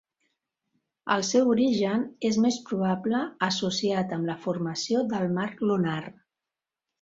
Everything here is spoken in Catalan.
El seu origen és més probable associat amb la formació del mar lunar.